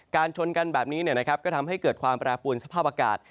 ชนกันแบบนี้ก็ทำให้เกิดความแปรปวนสภาพอากาศ